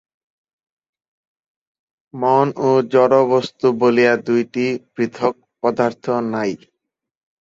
মন ও জড়বস্তু বলিয়া দুইটি পৃথক পদার্থ নাই।